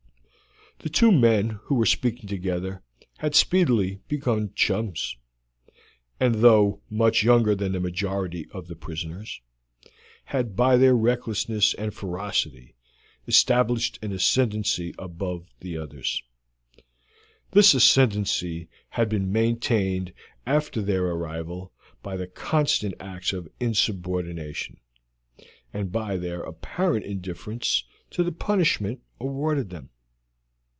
The two men who were speaking together had speedily become chums, and, though much younger than the majority of the prisoners, had by their recklessness and ferocity established an ascendency among the others. This ascendency had been maintained after their arrival by their constant acts of insubordination, and by their apparent indifference to the punishment awarded them.